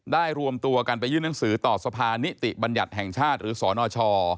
รวมตัวกันไปยื่นหนังสือต่อสภานิติบัญญัติแห่งชาติหรือสนช